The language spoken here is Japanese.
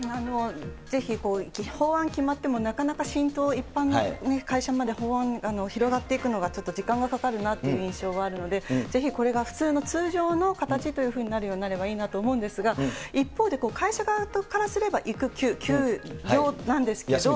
ぜひ法案決まってもなかなか浸透、一般がね、会社まで法案、広がっていくのがちょっと時間がかかるなっていう印象はあるので、ぜひこれが普通の通常の形というふうになるようになればいいなと思うんですが、一方で会社側からすれば育休、休みですね。